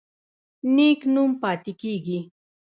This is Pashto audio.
نیک نوم پاتې کیږي